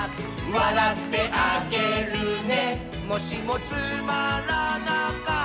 「わらってあげるね」